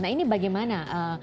nah ini bagaimana